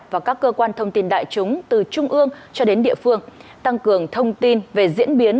và các cơ quan thông tin đại chúng từ trung ương cho đến địa phương tăng cường thông tin về diễn biến